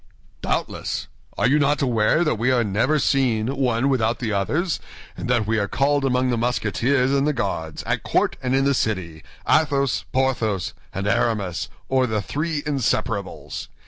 "Doubtless! Are you not aware that we are never seen one without the others, and that we are called among the Musketeers and the Guards, at court and in the city, Athos, Porthos, and Aramis, or the Three Inseparables?